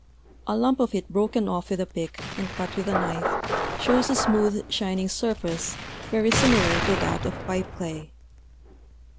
A lump of it broken off with a pick and cut with a knife shows a smooth, shining surface very similar to that of pipe clay.